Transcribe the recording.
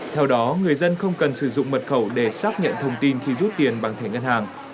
theo đó người dân không cần sử dụng mật khẩu để xác nhận thông tin khi rút tiền bằng thẻ ngân hàng